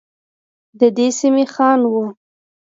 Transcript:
ددې سمي خان وه.